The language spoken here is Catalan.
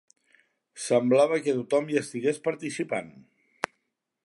Semblava que tothom hi estigués participant!